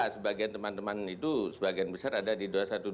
sebagian teman teman itu sebagian besar ada di dua ratus dua belas